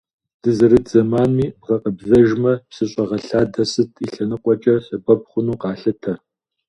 Дызэрыт зэманми бгъэкъэбзэжмэ, псыщӏэгъэлъадэ сыт и лъэныкъуэкӏэ сэбэп хъуну къалъытэ.